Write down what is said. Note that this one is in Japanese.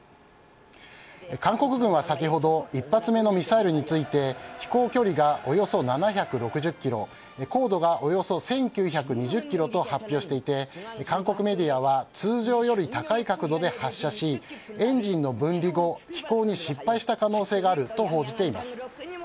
韓国軍は先ほど一発目のミサイルについて飛行距離がおよそ７６０ｋｍ高度がおよそ１９２０ｋｍと発表していて韓国メディアは通常より高い角度で発射しエンジンの分離後飛行に失敗した可能性があると報じています。